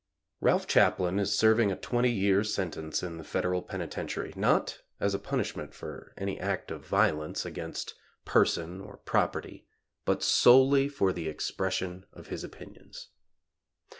Ralph Chaplin is serving a twenty year sentence in the Federal Penitentiary, not as a punishment for any act of violence against person or property, but solely for the expression of his opinions.